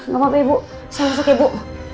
gapapa ibu saya masuk ya bu